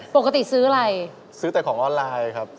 ปกติซื้ออะไรซื้อแต่ของออนไลน์ครับ